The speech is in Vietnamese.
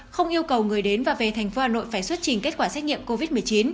không yêu cầu người đến và về thành phố hà nội phải xuất trình kết quả xét nghiệm covid một mươi chín